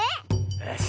よし。